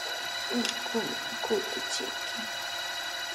Utrkuman kutichiy.